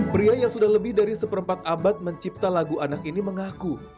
pria yang sudah lebih dari seperempat abad mencipta lagu anak ini mengaku